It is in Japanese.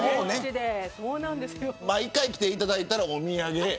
毎回来ていただいたらお土産。